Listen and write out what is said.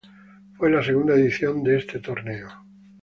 Fue la segunda edición de este torneo.